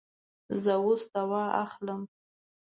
زه اوس دوا اخلم